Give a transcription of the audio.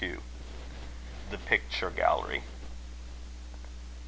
THE PICTURE GALLERY.